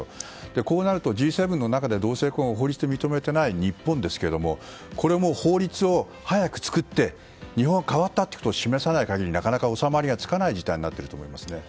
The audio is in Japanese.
こうなると、Ｇ７の中で同性婚を法律で認めていない日本ですけれどもこれも法律を早く作って日本は変わったということを示さない限りなかなか収まりがつかない事態になっていると思いますね。